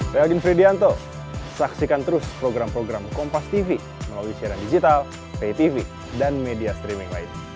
saya odin fridianto saksikan terus program program kompastv melalui siaran digital paytv dan media streaming lain